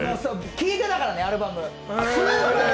聴いてたからね、アルバム。